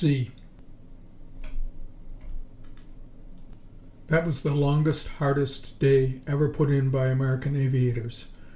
3 That was the longest, hardest day ever put in by American aviators.